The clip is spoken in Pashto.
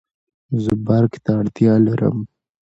زه برق ته اړتیا لرم